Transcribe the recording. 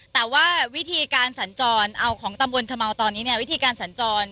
แต่ว่าวิธีการสัญจรเอาของตำบลชะเมาตอนนี้เนี่ยวิธีการสัญจร